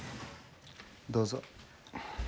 どうぞ。